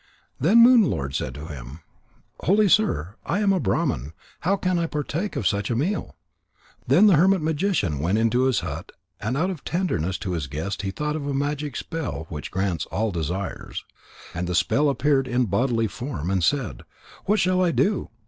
Then Moon lord said to him: "Holy sir, I am a Brahman. How can I partake of such a meal?" Then the hermit magician went into his hut and out of tenderness to his guest he thought of a magic spell which grants all desires. And the spell appeared in bodily form, and said: "What shall I do?"